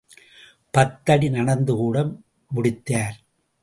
பத்தடி நடந்துகூட முடித்தார்.